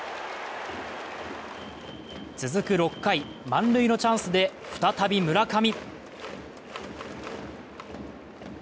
続く６回、満塁のチャンスで再び村上。